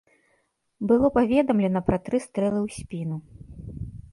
Было паведамлена пра тры стрэлы ў спіну.